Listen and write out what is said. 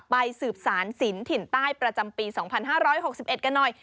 สืบสารศิลป์ถิ่นใต้ประจำปี๒๕๖๑กันหน่อย